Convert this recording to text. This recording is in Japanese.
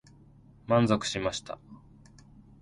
満足しました。